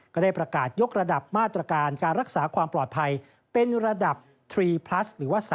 ก็ได้ประกาศยกระดับมาตรการการรักษาความปลอดภัยเป็นระดับทรีพลัสหรือว่า๓